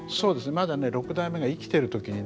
まだ六代目がね生きてる時にね